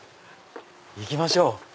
行きましょう。